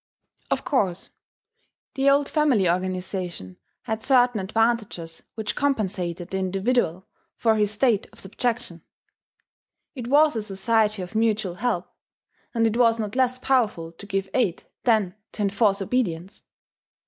] Of course the old family organization had certain advantages which compensated the individual for his state of subjection. It was a society of mutual help; and it was not less powerful to give aid, than to enforce obedience.